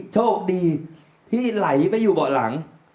โชคดีที่ไหลไปอยู่เบาะหลัง